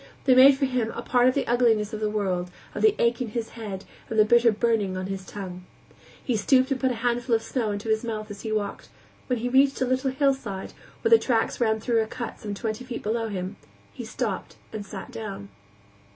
They made for him a part of the ugliness of the world, of the ache in his head, and the bitter burning on his tongue. He stooped and put a handful of snow into his mouth as he walked, but that, too, seemed hot. When he reached a little hillside, where the tracks ran through a cut some twenty feet below him, he stopped and sat down.